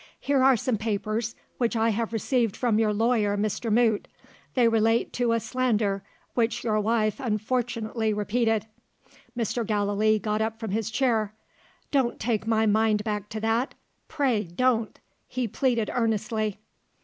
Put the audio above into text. "Here are some papers, which I have received from your lawyer, Mr. Moot. They relate to a slander, which your wife unfortunately repeated " Mr. Gallilee got up from his chair. "Don't take my mind back to that pray don't!" he pleaded earnestly.